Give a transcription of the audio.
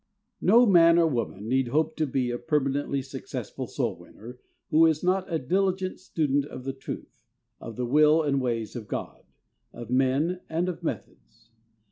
No man or woman need hope to be a per manently successful soul winner who is not a diligent student of the truth, of the will and ways of God, of men, and of methods.